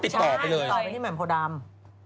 ติดต่อไปที่แหม่มพ้วดำ